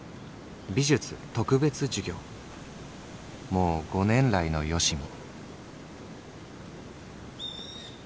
もう５年来のよしみ」。